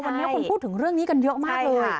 วันนี้คนพูดถึงเรื่องนี้กันเยอะมากเลย